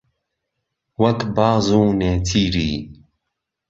وهک باز و نێچیری